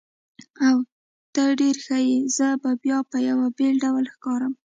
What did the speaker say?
اوه، ته ډېر ښه یې، زه به بیا په یوه بېل ډول ښکارم.